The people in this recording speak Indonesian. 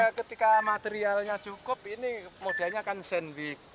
ini ketika materialnya cukup ini modanya kan sandvik